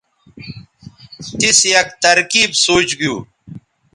تِیس یک ترکیب سوچ گِیُو